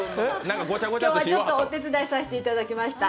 今日はちょっとお手伝いさせていただきました。